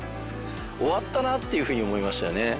終わったなっていうふうに思いましたよね。